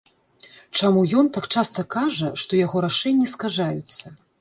Чаму ён так часта кажа, што яго рашэнні скажаюцца?